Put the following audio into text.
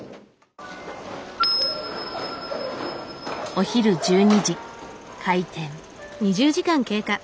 お昼１２時開店。